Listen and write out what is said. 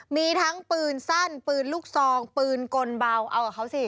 มีทั้งปืนสั้นปืนลูกซองปืนกลเบาเอากับเขาสิ